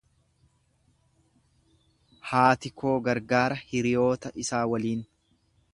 Haati koo gargaara hiriyoota isaa waliin.